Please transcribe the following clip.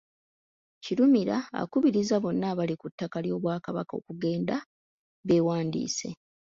Kirumira akubirizza bonna abali ku ttaka ly’Obwakabaka okugenda bewandiise.